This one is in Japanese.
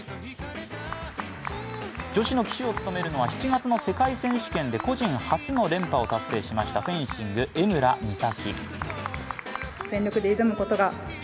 女子の旗手を務めるのは、７月の世界選手権で個人初の連覇を達成しましたフェンシング・江村美咲。